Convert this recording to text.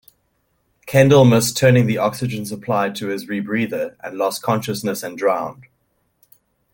Kendall missed turning the oxygen supply to his rebreather and lost consciousness and drowned.